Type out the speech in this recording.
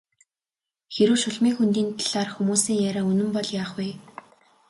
Хэрэв Шулмын хөндийн талаарх хүмүүсийн яриа үнэн бол яах вэ?